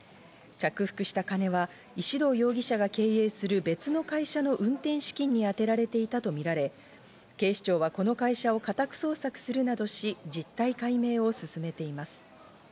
着服した金は石動容疑者が経営する別の会社の運転資金にあてられていたとみられ、警視庁はこの会社を家宅捜索するなどし、実態解明を進めています。